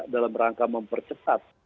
dalam rangka mempercepat